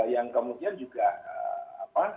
yang kemudian juga apa